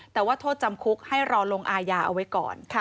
แต่ว่าโทษจำคุกให้รอลงอาญาเอาไว้ก่อน